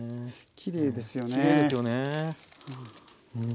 きれいですよね。